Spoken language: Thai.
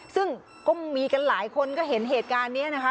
ซึ่งก็มีกันหลายคนก็เห็นเหตุการณ์นี้นะคะ